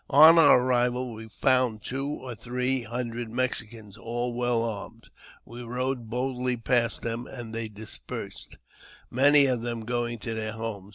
On our arrival we found two or three hundred Mexicans, all well armed ; we rode boldly past them, and they dispersed, many of them going to their homes.